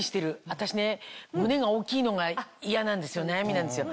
私ね胸が大きいのが嫌なんですよ悩みなんですよ。